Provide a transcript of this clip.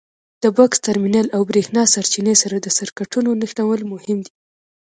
د بکس ټرمینل او برېښنا سرچینې سره د سرکټونو نښلول مهم دي.